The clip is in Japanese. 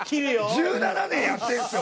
１７年やってるんですよ